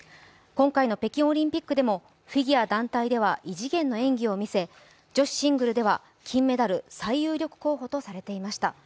今回の北京オリンピックでもフィギュア団体では異次元の演技を見せ、女子シングルでは金メダル最有力候補とされていました。